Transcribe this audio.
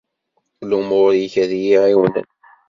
Lumuṛ-ik ad iyi-ɛiwnen.